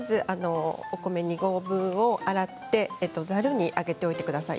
お米２合分を洗ってざるに上げておいてください。